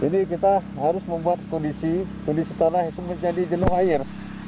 jadi kita harus membuat kondisi tanah itu menjadi jenuh air